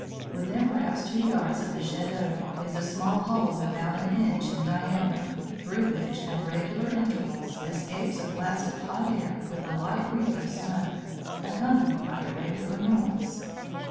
Within perhaps two yards of the jet d'eau, is a small hole of about an inch in diameter, through which, at regular intervals, escapes a blast of hot air with a light wreath of smoke, accompanied by a regular noise.